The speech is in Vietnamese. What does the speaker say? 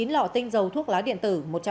bốn mươi chín lọ tinh dầu thuốc lá điện tử